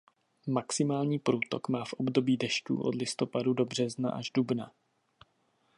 Maximální průtok má v období dešťů od listopadu do března až dubna.